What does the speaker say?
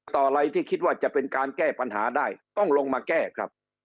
อะไรที่คิดว่าจะเป็นการแก้ปัญหาได้ต้องลงมาแก้ครับ